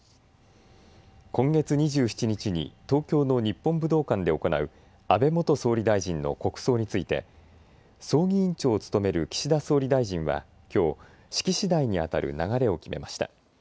今月２７日に東京の日本武道館で行う安倍元総理大臣の国葬について葬儀委員長を務める岸田総理大臣はきょう、式次第にあたる流れを決めました。